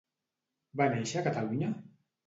Va néixer a Catalunya?